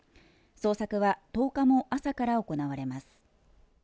捜索は１０日も朝から行われます。